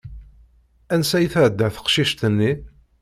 Ansa i tɛedda teqcicit-nni?